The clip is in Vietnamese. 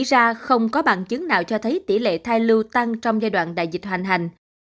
ra không có bằng chứng nào cho thấy tỷ lệ thai lưu tăng trong giai đoạn đại dịch hoành hành